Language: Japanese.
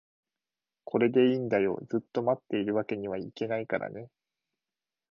これでいいんだよ、ずっと持っているわけにはいけないからね